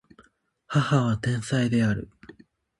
母は天才である